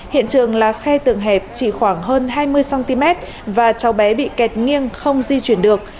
hiện trường là khe tường hẹp chỉ khoảng hơn hai mươi cm và cháu bé bị kẹt nghiêng không di chuyển được